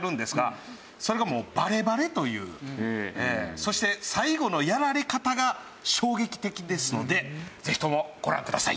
そして最後のやられ方が衝撃的ですのでぜひともご覧ください。